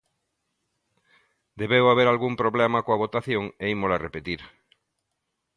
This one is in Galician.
Debeu haber algún problema coa votación e ímola repetir.